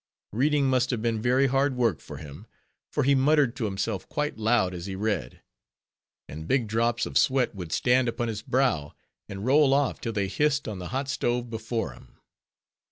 Reading must have been very hard work for him; for he muttered to himself quite loud as he read; and big drops of sweat would stand upon his brow, and roll off, till they hissed on the hot stove before him.